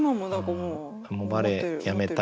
もうバレエやめたいって？